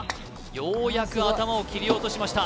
ようやく頭を切り落としました